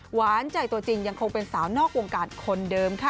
หวานใจตัวจริงยังคงเป็นสาวนอกวงการคนเดิมค่ะ